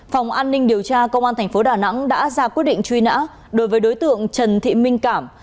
phòng an ninh điều tra công an tp đà nẵng đã ra quyết định truy nã đối với đối tượng trần thị minh cảm